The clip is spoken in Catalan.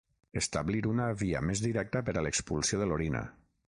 Establir una via més directa per a l'expulsió de l'orina.